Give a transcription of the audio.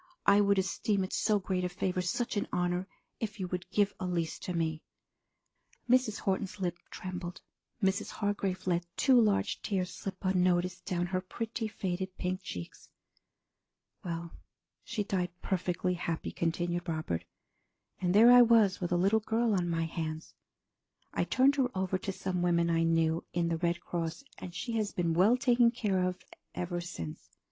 I would esteem it so great a favor, such an honor, if you would give Elise to me.'" Mrs. Horton's lip trembled. Mrs. Hargrave let two large tears slip unnoticed down her pretty, faded pink cheeks. "Well, she died perfectly happy," continued Robert. "And there I was with a little girl on my hands! I turned her over to some women I knew in the Red Cross, and she has been well taken care of ever since.